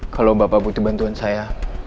kalau bapak butuh bantuan saya